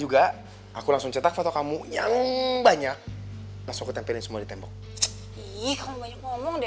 juga aku langsung cetak foto kamu yang banyak masuk ke tempatnya semua di tembok iya kamu